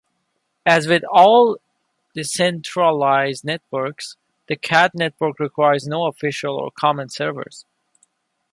As with all decentralized networks, the Kad network requires no official or common servers.